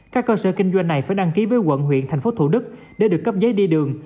các cơ sở kinh doanh này phải đăng ký với quận huyện thành phố thủ đức để được cấp giấy đi đường